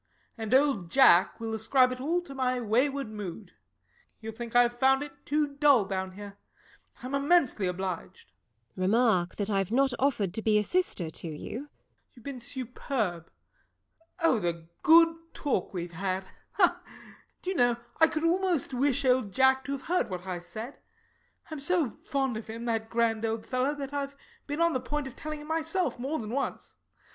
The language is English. And old Jack will ascribe it all to my wayward mood; he'll think I have found it too dull down here. I'm immensely obliged. LADY TORMINSTER. [With a smile.] Remark that I've not offered to be a sister to you. SIR GEOFFREY. You've been superb. Oh, the good talk we've had! Do you know, I could almost wish old Jack to have heard what I said. I'm so fond of him, that grand old fellow, that I've been on the point of telling him, myself, more than once.